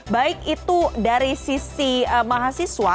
baik itu dari sisi mahasiswa